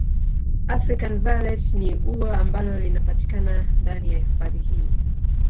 African violet ni ua ambalo linapatikana ndani ya hifadhi hii